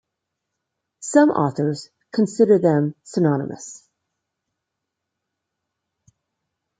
Some authors consider them synonymous.